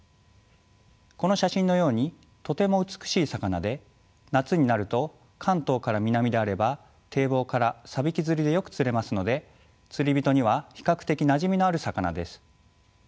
この写真のようにとても美しい魚で夏になると関東から南であれば堤防からサビキ釣りでよく釣れますので釣り人には比較的なじみのある魚です。